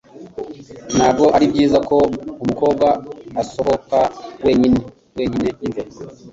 Ntabwo ari byiza ko umukobwa asohoka wenyine wenyine nijoro.